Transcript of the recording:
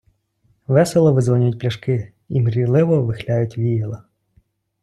Весело видзвонюють пляшки і мрійливо вихляють віяла.